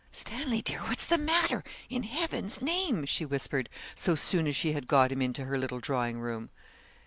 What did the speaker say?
'Stanley, dear, what's the matter, in Heaven's name?' she whispered, so soon as she had got him into her little drawing room.